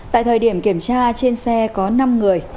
tại thời điểm kiểm tra trên xe có năm người